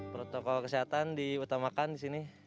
protokol kesehatan diutamakan di sini